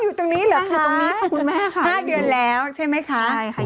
อยู่ตรงนี้หรอคะ๕เดือนแล้วใช่ไหมคะ